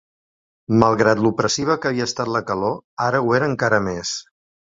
Malgrat l'opressiva que havia estat la calor, ara ho era encara més.